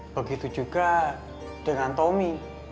begitu juga dengan tommy